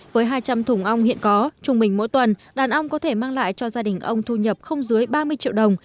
với hai trăm linh thùng ong hiện có trung bình mỗi tuần đàn ong có thể mang lại cho gia đình ông thu nhập không dưới ba mươi triệu đồng